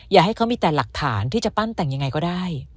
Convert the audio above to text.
อย่าให้เขามีแต่หลักฐานที่จะปั้นแต่งยังไงก็ได้